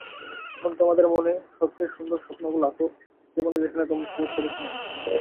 এখন তোমাদের মনে সবচেয়ে সুন্দর স্বপ্নগুলো আঁকো জীবনে যেখানে তোমরা পৌঁছাতে চাও।